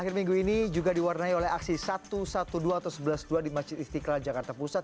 kemungkinan besar ada putaran kedua